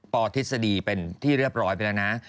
ปทฤษฎีเป็นที่เรียบร้อยไปแล้วนะ